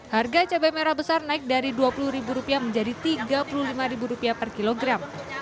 harga cabai merah besar naik dari rp dua puluh menjadi rp tiga puluh lima per kilogram